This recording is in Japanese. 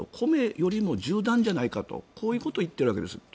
米よりも銃弾じゃないかとこういうことを言ってるんです。